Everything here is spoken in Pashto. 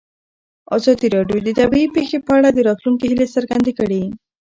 ازادي راډیو د طبیعي پېښې په اړه د راتلونکي هیلې څرګندې کړې.